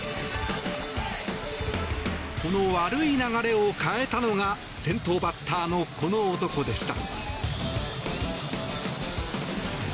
この悪い流れを変えたのが先頭バッターのこの男でした。